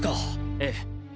ええ。